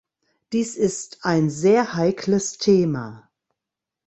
Dies ist ein sehr heikles Thema.